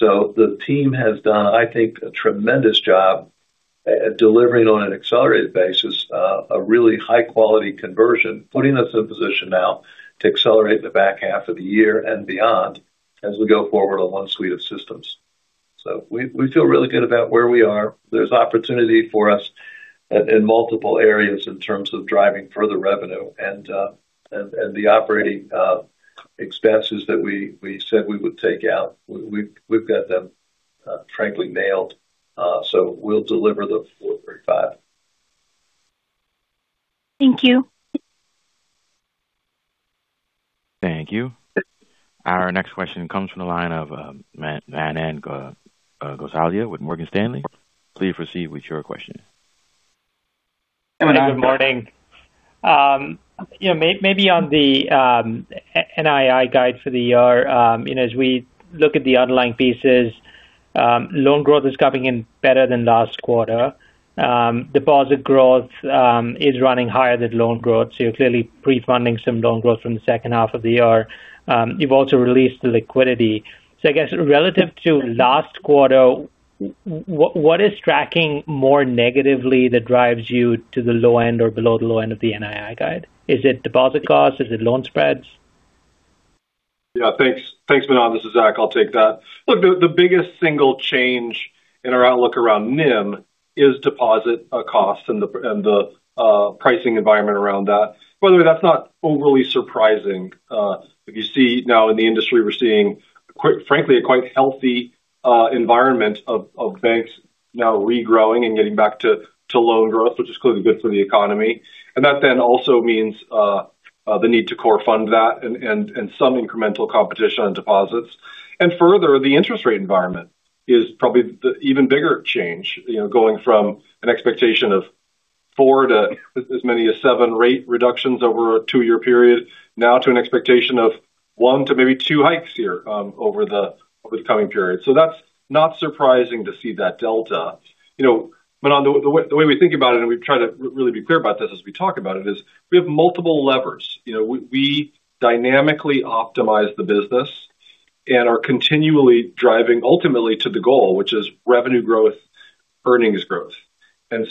Speaker 3: The team has done, I think, a tremendous job at delivering on an accelerated basis a really high-quality conversion, putting us in a position now to accelerate the back half of the year and beyond as we go forward on one suite of systems. We feel really good about where we are. There's opportunity for us in multiple areas in terms of driving further revenue and the operating expenses that we said we would take out. We've got them frankly nailed. We'll deliver the $435.
Speaker 6: Thank you.
Speaker 1: Thank you. Our next question comes from the line of Manan Gosalia with Morgan Stanley. Please proceed with your question.
Speaker 7: Good morning. Maybe on the NII guide for the year. As we look at the underlying pieces, loan growth is coming in better than last quarter. Deposit growth is running higher than loan growth. You're clearly pre-funding some loan growth from the second half of the year. You've also released the liquidity. I guess relative to last quarter, what is tracking more negatively that drives you to the low end or below the low end of the NII guide? Is it deposit costs? Is it loan spreads?
Speaker 5: Yeah, thanks. Thanks, Manan. This is Zach. I'll take that. Look, the biggest single change in our outlook around NIM is deposit costs and the pricing environment around that. By the way, that's not overly surprising. If you see now in the industry, we're seeing, frankly, a quite healthy environment of banks now regrowing and getting back to loan growth, which is clearly good for the economy. That then also means the need to core fund that and some incremental competition on deposits. Further, the interest rate environment is probably the even bigger change, going from an expectation of four rate reductions to as many as seven rate reductions over a two-year period. Now to an expectation of one to maybe two hikes here over the coming period. That's not surprising to see that delta. Manan, the way we think about it, and we try to really be clear about this as we talk about it, is we have multiple levers. We dynamically optimize the business and are continually driving ultimately to the goal, which is revenue growth, earnings growth. As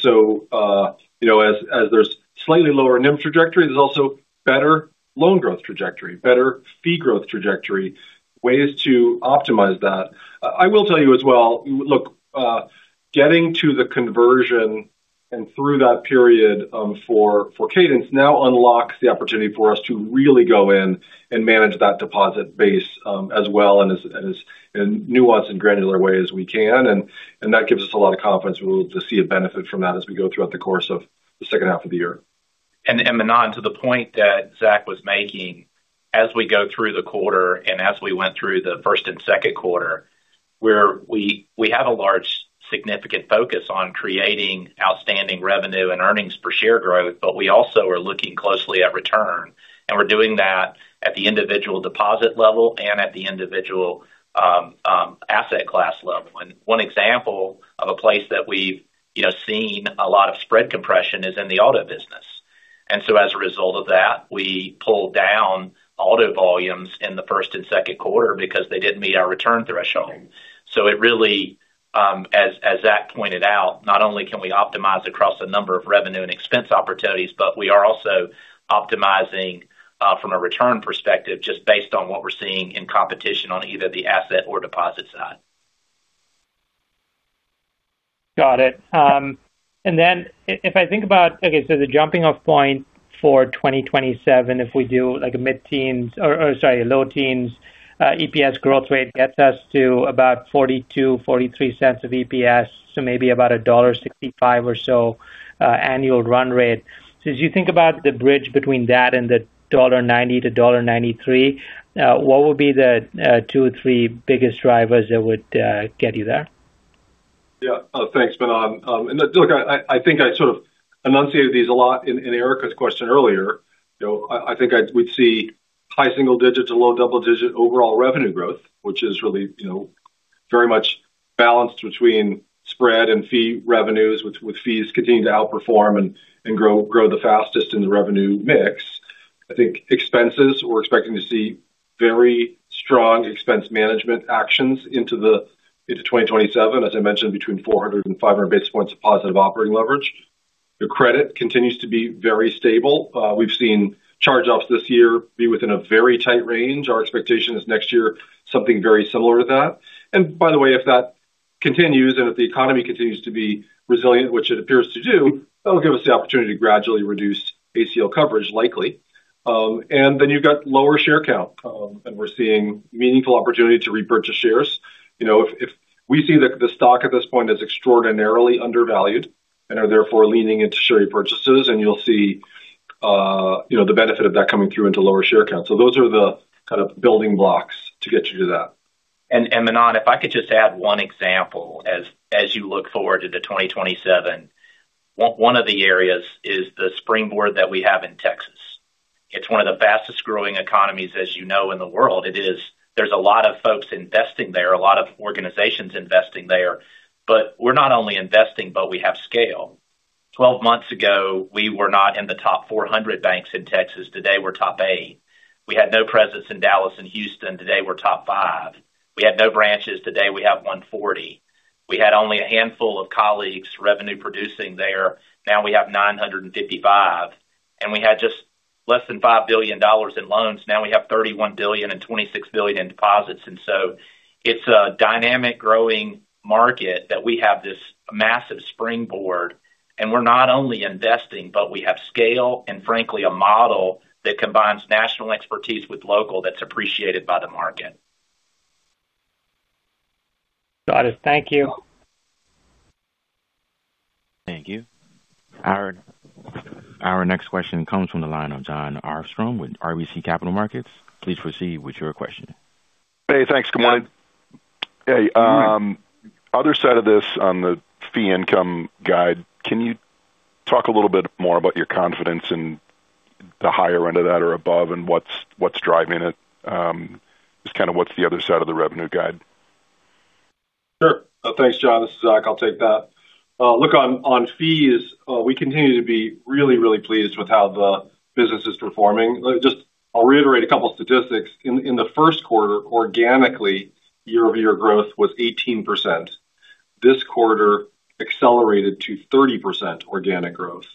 Speaker 5: there's slightly lower NIM trajectory, there's also better loan growth trajectory, better fee growth trajectory, ways to optimize that. I will tell you as well, look, getting to the conversion and through that period for Cadence now unlocks the opportunity for us to really go in and manage that deposit base as well and as nuanced and granular way as we can. That gives us a lot of confidence we'll be able to see a benefit from that as we go throughout the course of the second half of the year.
Speaker 4: Manan, to the point that Zach was making, as we go through the quarter and as we went through the first and second quarter, where we have a large significant focus on creating outstanding revenue and earnings per share growth. We also are looking closely at return, and we're doing that at the individual deposit level and at the individual asset class level. One example of a place that we've seen a lot of spread compression is in the auto business. As a result of that, we pulled down auto volumes in the first and second quarter because they didn't meet our return threshold. It really, as Zach pointed out, not only can we optimize across a number of revenue and expense opportunities, but we are also optimizing from a return perspective just based on what we're seeing in competition on either the asset or deposit side.
Speaker 7: Got it. If I think about, okay, the jumping off point for 2027, if we do like a mid-teens or, sorry, low teens EPS growth rate gets us to about $0.42, $0.43 of EPS, so maybe about $1.65 or so annual run rate. As you think about the bridge between that and the $1.90-$1.93, what would be the two or three biggest drivers that would get you there?
Speaker 5: Yeah. Thanks, Manan. Look, I think I sort of enunciated these a lot in Erika's question earlier. I think I would see high single digits or low double-digit overall revenue growth, which is really very much balanced between spread and fee revenues, with fees continuing to outperform and grow the fastest in the revenue mix. I think expenses, we're expecting to see very strong expense management actions into 2027. As I mentioned, between 400 basis points-500 basis points of positive operating leverage. The credit continues to be very stable. We've seen charge-offs this year be within a very tight range. Our expectation is next year something very similar to that. By the way, if that continues and if the economy continues to be resilient, which it appears to do, that'll give us the opportunity to gradually reduce ACL coverage likely. You've got lower share count. We're seeing meaningful opportunity to repurchase shares. We see that the stock at this point is extraordinarily undervalued and are therefore leaning into share repurchases. You'll see the benefit of that coming through into lower share count. Those are the kind of building blocks to get you to that.
Speaker 4: Manan, if I could just add one example as you look forward to 2027. One of the areas is the springboard that we have in Texas. It's one of the fastest-growing economies, as you know, in the world. There's a lot of folks investing there, a lot of organizations investing there. We're not only investing, but we have scale. 12 months ago, we were not in the top 400 banks in Texas. Today, we're top eight. We had no presence in Dallas and Houston. Today, we're top five. We had no branches. Today, we have 140 branches. We had only a handful of colleagues revenue producing there. Now we have 955. We had just less than $5 billion in loans. Now we have $31 billion and $26 billion in deposits. It's a dynamic growing market that we have this massive springboard. We're not only investing, but we have scale and frankly a model that combines national expertise with local that's appreciated by the market.
Speaker 7: Got it. Thank you.
Speaker 1: Thank you. Our next question comes from the line of Jon Arfstrom with RBC Capital Markets. Please proceed with your question.
Speaker 8: Hey, thanks, Kamel. Hey. Other side of this on the fee income guide, can you talk a little bit more about your confidence in the higher end of that or above and what's driving it? Just kind of what's the other side of the revenue guide?
Speaker 5: Sure. Thanks, Jon. This is Zach. I'll take that. Look, on fees, we continue to be really, really pleased with how the business is performing. I'll reiterate a couple statistics. In the first quarter, organically, year-over-year growth was 18%. This quarter accelerated to 30% organic growth.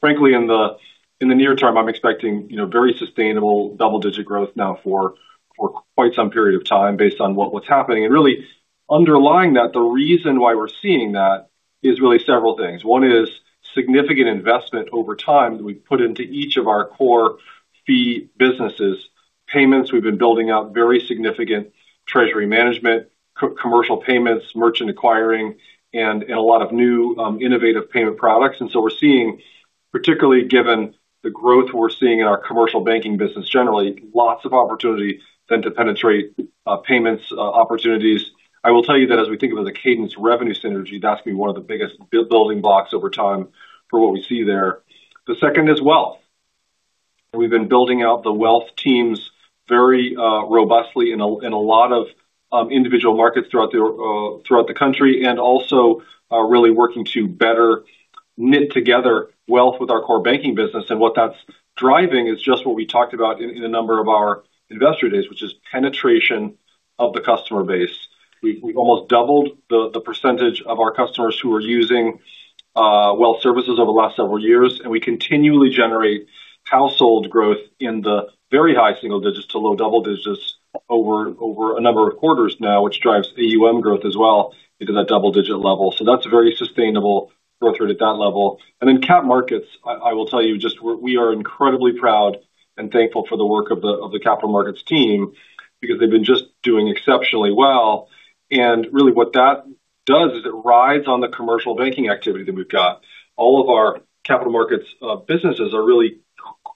Speaker 5: Frankly, in the near term, I'm expecting very sustainable double-digit growth now for quite some period of time based on what's happening. Underlying that, the reason why we're seeing that is really several things. One is significant investment over time that we put into each of our core fee businesses. Payments, we've been building out very significant treasury management, commercial payments, merchant acquiring, and a lot of new, innovative payment products. We're seeing, particularly given the growth we're seeing in our commercial banking business generally, lots of opportunity then to penetrate payments opportunities. I will tell you that as we think about the Cadence revenue synergy, that's been one of the biggest building blocks over time for what we see there. The second is wealth. We've been building out the wealth teams very robustly in a lot of individual markets throughout the country, also really working to better knit together wealth with our core banking business. What that's driving is just what we talked about in a number of our investor days, which is penetration of the customer base. We've almost doubled the percentage of our customers who are using wealth services over the last several years, and we continually generate household growth in the very high single digits to low double digits over a number of quarters now, which drives AUM growth as well into that double-digit level. That's a very sustainable growth rate at that level. capital markets, I will tell you just we are incredibly proud and thankful for the work of the capital markets team because they've been just doing exceptionally well. Really what that does is it rides on the commercial banking activity that we've got. All of our capital markets businesses are really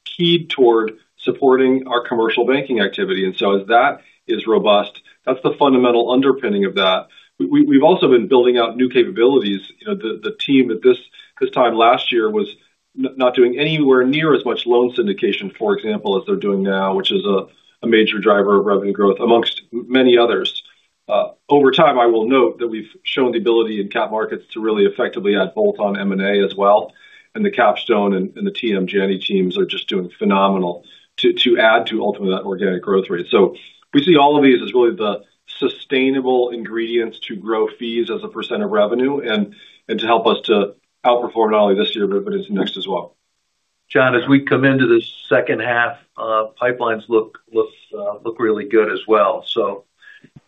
Speaker 5: keyed toward supporting our commercial banking activity. As that is robust, that's the fundamental underpinning of that. We've also been building out new capabilities. The team at this time last year was not doing anywhere near as much loan syndication, for example, as they're doing now, which is a major driver of revenue growth amongst many others. Over time, I will note that we've shown the ability in capital markets to really effectively add bolt-on M&A as well, and the Capstone and the TM Capital teams are just doing phenomenal to add to ultimately that organic growth rate. We see all of these as really the sustainable ingredients to grow fees as a % of revenue and to help us to outperform not only this year, but into next as well.
Speaker 3: Jon, as we come into this second half, pipelines look really good as well.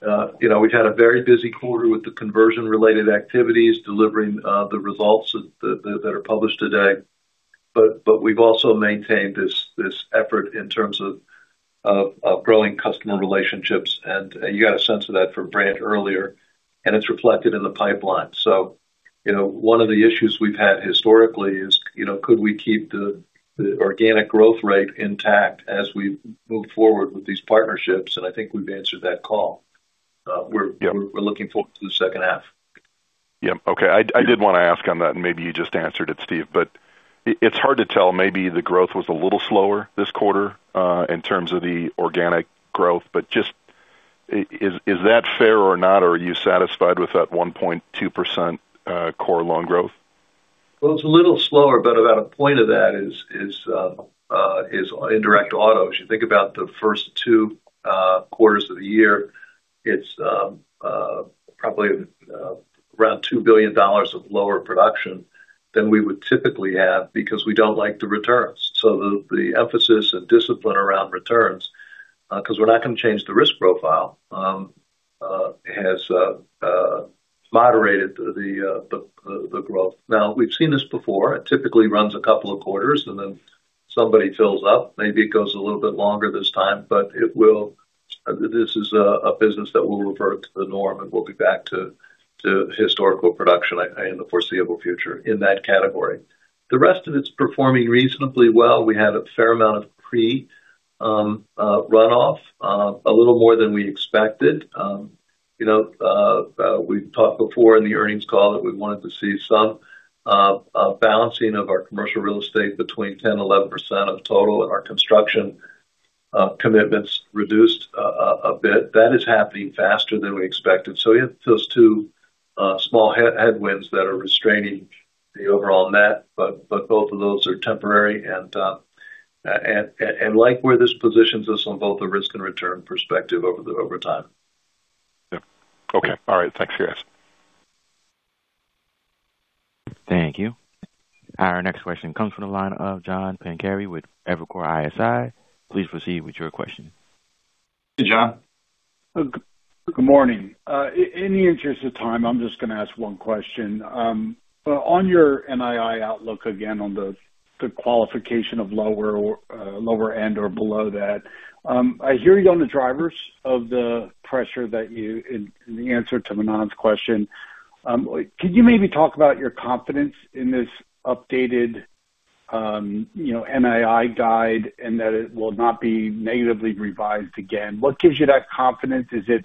Speaker 3: We've had a very busy quarter with the conversion-related activities, delivering the results that are published today. We've also maintained this effort in terms of growing customer relationships, and you got a sense of that from Brant earlier, and it's reflected in the pipeline. One of the issues we've had historically is could we keep the organic growth rate intact as we move forward with these partnerships? I think we've answered that call.
Speaker 8: Yep.
Speaker 3: We're looking forward to the second half.
Speaker 8: Yep. Okay. I did want to ask on that. Maybe you just answered it, Steve. It's hard to tell. Maybe the growth was a little slower this quarter, in terms of the organic growth. Just is that fair or not? Are you satisfied with that 1.2% core loan growth?
Speaker 3: Well, it's a little slower. About a point of that is indirect autos. You think about the first two quarters of the year, it's probably around $2 billion of lower production than we would typically have because we don't like the returns. The emphasis and discipline around returns, because we're not going to change the risk profile, has moderated the growth. We've seen this before. It typically runs a couple of quarters. Then somebody fills up. Maybe it goes a little bit longer this time. This is a business that will revert to the norm, and we'll be back to historical production in the foreseeable future in that category. The rest of it's performing reasonably well. We had a fair amount of pre-runoff, a little more than we expected. We've talked before in the earnings call that we wanted to see some balancing of our commercial real estate between 10%-11% of total, and our construction commitments reduced a bit. That is happening faster than we expected. We have those two small headwinds that are restraining the overall net. Both of those are temporary and like where this positions us on both the risk and return perspective over time.
Speaker 8: Yep. Okay. All right. Thanks. Cheers.
Speaker 1: Thank you. Our next question comes from the line of John Pancari with Evercore ISI. Please proceed with your question.
Speaker 3: Hey, John.
Speaker 9: Good morning. In the interest of time, I'm just going to ask one question. On your NII outlook again on the qualification of lower end or below that, I hear you on the drivers of the pressure that you, in the answer to Manan's question. Could you maybe talk about your confidence in this updated NII guide and that it will not be negatively revised again? What gives you that confidence? Is it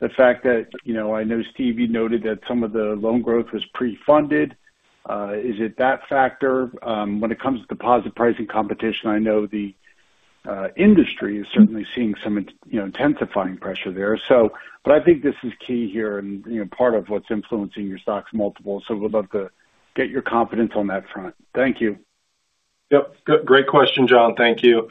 Speaker 9: the fact that, I know Steve, you noted that some of the loan growth was pre-funded. Is it that factor? When it comes to deposit pricing competition, I know the industry is certainly seeing some intensifying pressure there. I think this is key here and part of what's influencing your stock's multiple. Would love to get your confidence on that front. Thank you.
Speaker 5: Yep. Great question, John. Thank you.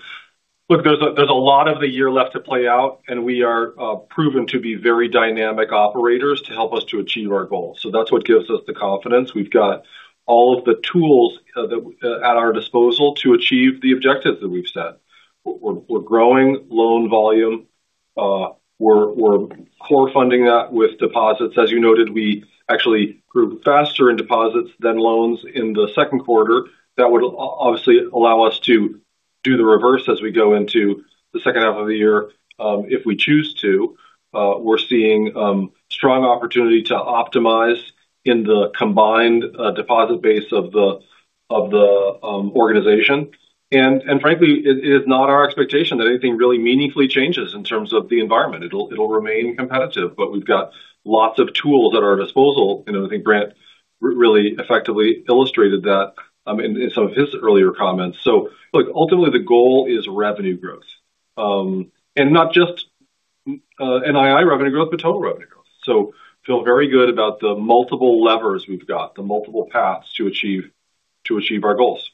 Speaker 5: Look, there's a lot of the year left to play out, we are proven to be very dynamic operators to help us to achieve our goals. That's what gives us the confidence. We've got all of the tools at our disposal to achieve the objectives that we've set. We're growing loan volume. We're core funding that with deposits. As you noted, we actually grew faster in deposits than loans in the second quarter. That would obviously allow us to do the reverse as we go into the second half of the year if we choose to. We're seeing strong opportunity to optimize in the combined deposit base of the organization. Frankly, it is not our expectation that anything really meaningfully changes in terms of the environment. It'll remain competitive, we've got lots of tools at our disposal. I think Brant really effectively illustrated that in some of his earlier comments. Look, ultimately the goal is revenue growth. Not just NII revenue growth, but total revenue growth. Feel very good about the multiple levers we've got, the multiple paths to achieve our goals.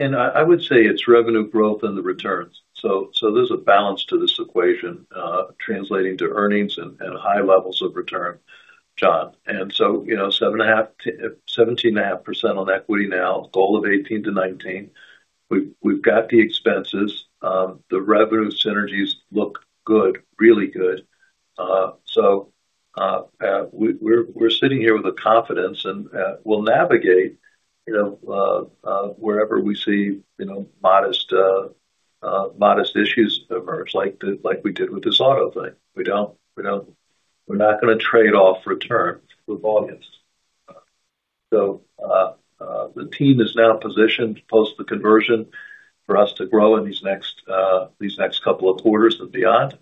Speaker 3: I would say it's revenue growth and the returns. There's a balance to this equation translating to earnings and high levels of return, John. 17.5% on equity now, goal of 18%-19%. We've got the expenses. The revenue synergies look good, really good. We're sitting here with the confidence, and we'll navigate wherever we see modest issues emerge, like we did with this auto thing. We're not going to trade off return with volumes. The team is now positioned post the conversion for us to grow in these next couple of quarters and beyond.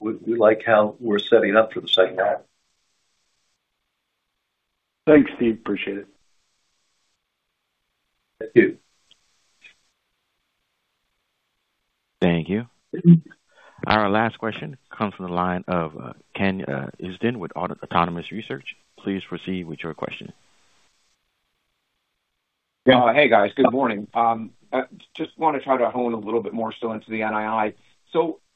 Speaker 3: We like how we're setting up for the second half.
Speaker 9: Thanks, Steve. Appreciate it. Thank you.
Speaker 1: Thank you. Our last question comes from the line of Ken Usdin with Autonomous Research. Please proceed with your question.
Speaker 10: Hey, guys. Good morning. Just want to try to hone a little bit more still into the NII.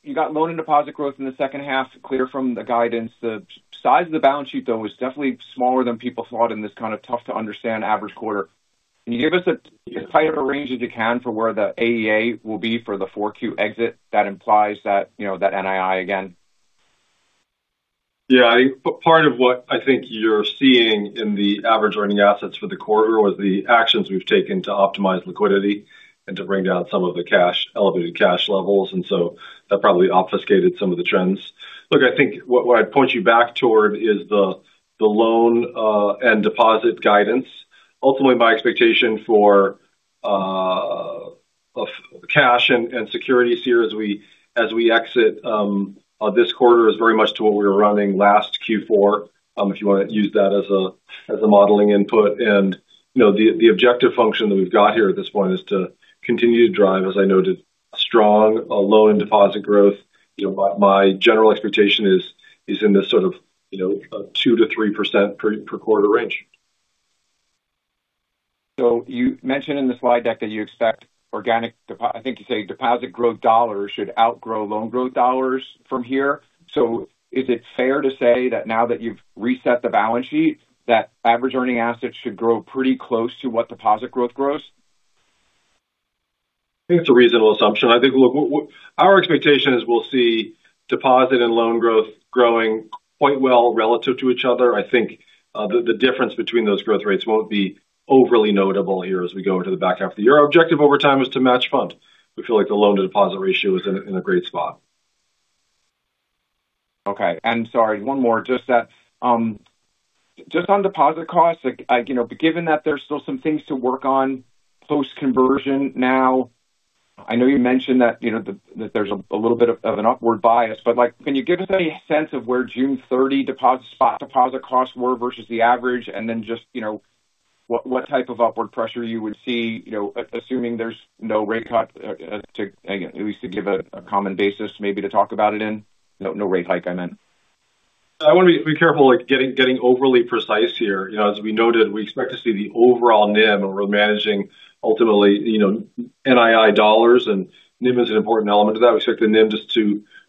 Speaker 10: You got loan and deposit growth in the second half, clear from the guidance. The size of the balance sheet, though, is definitely smaller than people thought in this kind of tough to understand average quarter. Can you give us as tight of a range as you can for where the AEA will be for the 4Q exit that implies that NII again?
Speaker 5: Yeah. Part of what I think you're seeing in the average earning assets for the quarter was the actions we've taken to optimize liquidity and to bring down some of the elevated cash levels. That probably obfuscated some of the trends. Look, I think what I'd point you back toward is the loan and deposit guidance. Ultimately, my expectation for cash and securities here as we exit this quarter is very much to what we were running last Q4, if you want to use that as a modeling input. The objective function that we've got here at this point is to continue to drive, as I noted, strong loan deposit growth. My general expectation is in this sort of 2%-3% per quarter range.
Speaker 10: You mentioned in the slide deck that you expect organic, I think you say deposit growth dollars should outgrow loan growth dollars from here. Is it fair to say that now that you've reset the balance sheet, that average earning assets should grow pretty close to what deposit growth grows?
Speaker 5: I think it's a reasonable assumption. I think, look, our expectation is we'll see deposit and loan growth growing quite well relative to each other. I think the difference between those growth rates won't be overly notable here as we go into the back half of the year. Our objective over time is to match fund. We feel like the loan-to-deposit ratio is in a great spot.
Speaker 10: Okay. Sorry, one more. Just on deposit costs, given that there's still some things to work on post-conversion now, I know you mentioned that there's a little bit of an upward bias, but can you give us any sense of where June 30 spot deposit costs were versus the average? Then just what type of upward pressure you would see, assuming there's no rate cut, at least to give a common basis maybe to talk about it in. No rate hike, I meant.
Speaker 5: I want to be careful getting overly precise here. As we noted, we expect to see the overall NIM, we're managing ultimately NII dollars, and NIM is an important element of that. We expect the NIM just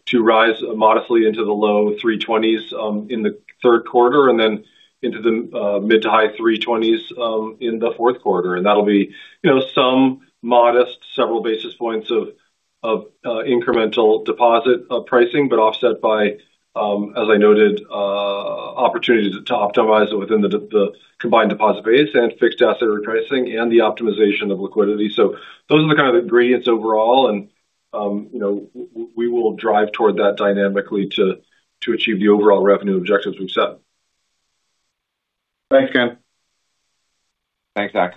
Speaker 5: to rise modestly into the low 320 basis points in the third quarter then into the mid to high 320 basis points in the fourth quarter. That'll be some modest several basis points of incremental deposit pricing, but offset by, as I noted, opportunities to optimize it within the combined deposit base and fixed asset repricing and the optimization of liquidity. Those are the kind of ingredients overall, and we will drive toward that dynamically to achieve the overall revenue objectives we've set. Thanks, Ken.
Speaker 10: Thanks, Zach.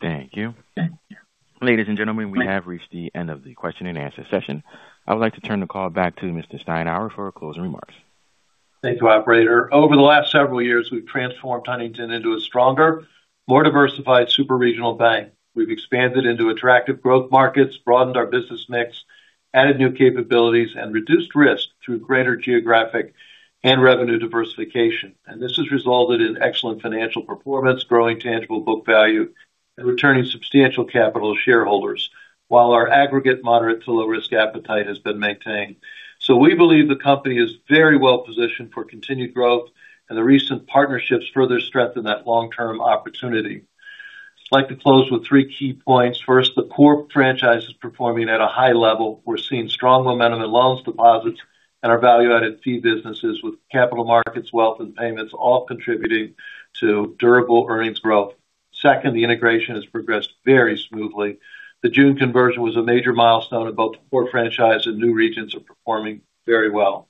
Speaker 1: Thank you. Ladies and gentlemen, we have reached the end of the question-and-answer session. I would like to turn the call back to Mr. Steinour for our closing remarks.
Speaker 3: Thank you, operator. Over the last several years, we've transformed Huntington into a stronger, more diversified super regional bank. We've expanded into attractive growth markets, broadened our business mix, added new capabilities, and reduced risk through greater geographic and revenue diversification. This has resulted in excellent financial performance, growing tangible book value, and returning substantial capital to shareholders, while our aggregate moderate to low risk appetite has been maintained. We believe the company is very well positioned for continued growth, and the recent partnerships further strengthen that long-term opportunity. I'd like to close with three key points. First, the core franchise is performing at a high level. We're seeing strong momentum in loans, deposits, and our value-added fee businesses with capital markets, wealth, and payments all contributing to durable earnings growth. Second, the integration has progressed very smoothly. Both the core franchise and new regions are performing very well.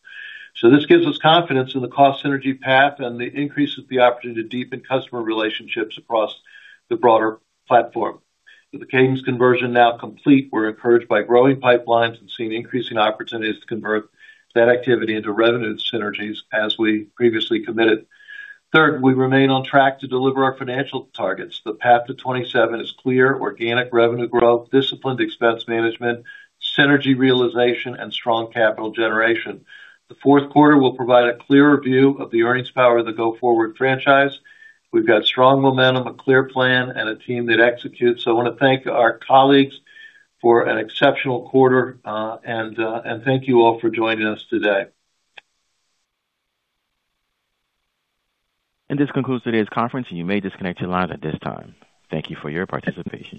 Speaker 3: This gives us confidence in the cost synergy path and the increase of the opportunity to deepen customer relationships across the broader platform. With the Cadence conversion now complete, we're encouraged by growing pipelines and seeing increasing opportunities to convert that activity into revenue synergies as we previously committed. Third, we remain on track to deliver our financial targets. The Path to 2027 is clear: organic revenue growth, disciplined expense management, synergy realization, and strong capital generation. The fourth quarter will provide a clearer view of the earnings power of the go-forward franchise. We've got strong momentum, a clear plan, and a team that executes. I want to thank our colleagues for an exceptional quarter. Thank you all for joining us today.
Speaker 1: This concludes today's conference, and you may disconnect your lines at this time. Thank you for your participation.